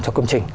cho công trình